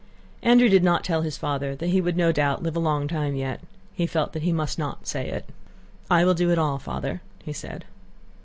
Andrew did not tell his father that he would no doubt live a long time yet. He felt that he must not say it. "I will do it all, Father," he said.